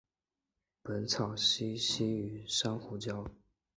本鱼栖息于珊瑚礁。